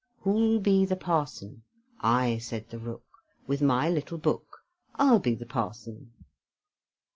Who'll be the parson? "I," said the Rook, "With my little book, I'll be the parson."